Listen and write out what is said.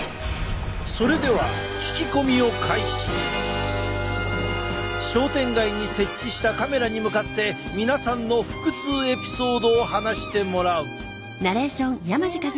それでは商店街に設置したカメラに向かって皆さんの腹痛エピソードを話してもらう。